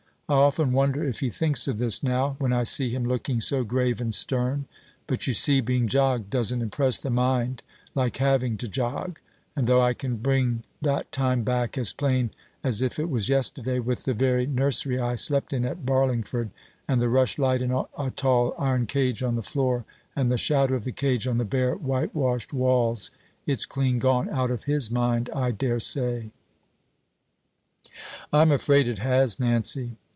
I often wonder if he thinks of this now, when I see him looking so grave and stern. But, you see, being jogged doesn't impress the mind like having to jog; and though I can bring that time back as plain as if it was yesterday, with the very nursery I slept in at Barlingford, and the rushlight in a tall iron cage on the floor, and the shadow of the cage on the bare whitewashed walls it's clean gone out of his mind, I dare say." "I'm afraid it has, Nancy."